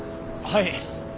はい。